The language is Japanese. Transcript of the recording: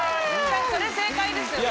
それ正解ですよね。